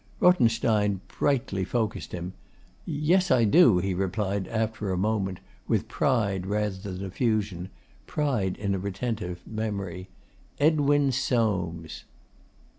Rothenstein brightly focussed him. 'Yes, I do,' he replied after a moment, with pride rather than effusion pride in a retentive memory. 'Edwin Soames.